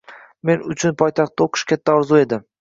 Men uchun poytaxtda o‘qish katta orzu edi.